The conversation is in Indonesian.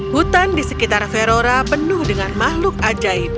hutan di sekitar ferora penuh dengan makhluk ajaib